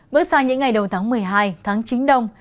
bước sang những ngày đầu tháng một mươi hai tháng chính đông